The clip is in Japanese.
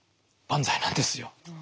万歳なんですよ。